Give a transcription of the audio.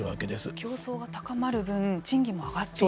競争が高まるぶん賃金も上がっていく。